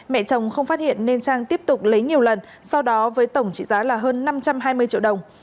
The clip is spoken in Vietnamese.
mẹ chồng không phát hiện nên trang tiếp tục lấy nhiều lần sau đó với tổng trị giá là hơn năm trăm hai mươi triệu đồng